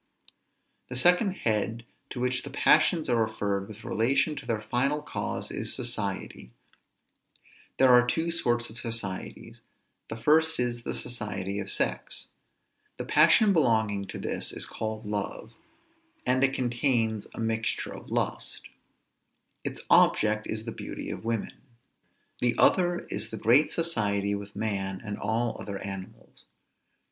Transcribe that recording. The second head to which the passions are referred with relation to their final cause, is society. There are two sorts of societies. The first is, the society of sex. The passion belonging to this is called love, and it contains a mixture of lust; its object is the beauty of women. The other is the great society with man and all other animals.